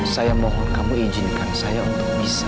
saya mohon kamu izinkan saya untuk bisa